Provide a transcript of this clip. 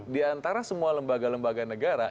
di antara semua lembaga lembaga negara